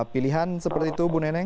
pilihan seperti itu ibu nenek